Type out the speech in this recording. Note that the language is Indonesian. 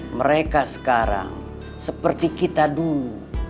mereka sekarang seperti kita dulu